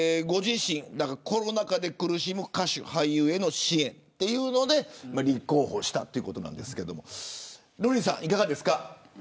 コロナ禍で苦しむ歌手俳優への支援ということで立候補したということなんですが瑠麗さん、いかがですか。